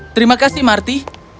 terima kasih marty